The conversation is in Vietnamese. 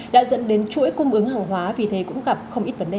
đã dẫn đến chuỗi cung ứng hàng hóa vì thế cũng gặp không ít vấn đề